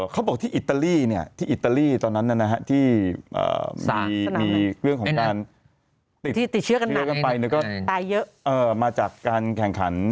เขาบอกที่อิตาลีเนี่ยที่อิตาลีตอนนั้นน่ะที่มีเรื่องของการติดเชื้อกันมาจากการแข่งขัน